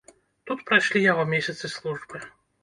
Тут прайшлі яго месяцы службы.